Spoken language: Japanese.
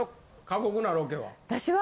過酷なロケは。